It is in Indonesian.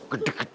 uaah obra guard